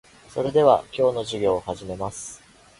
それでは、今日の授業を始めます。